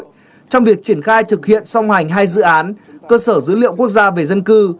trong việc triển khai thực hiện song hành hai dự án cơ sở dữ liệu quốc gia về dân cư